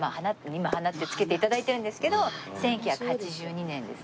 今花って付けて頂いてるんですけど１９８２年です。